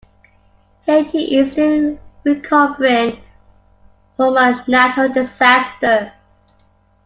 Haiti is still recovering from a natural disaster.